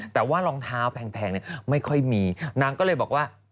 แต่ว่ารองเท้าแพงไม่ค่อยมีนางก็เลยบอกว่า